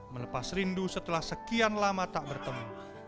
melepas rindu setelah sekian lama tak bertemu